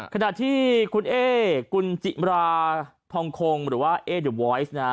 ขณะที่คุณเอ๊กุญจิมราทองคงหรือว่าเอ๊หรือบอยซ์นะฮะ